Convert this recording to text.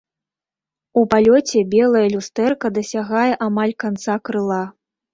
У палёце белае люстэрка дасягае амаль канца крыла.